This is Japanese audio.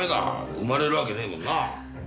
生まれるわけねえもんなぁ。